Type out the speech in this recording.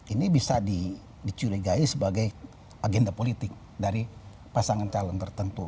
ini bisa dicurigai sebagai agenda politik dari pasangan calon tertentu